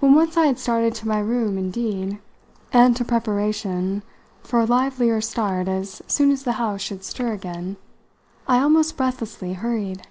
When once I had started to my room indeed and to preparation for a livelier start as soon as the house should stir again I almost breathlessly hurried.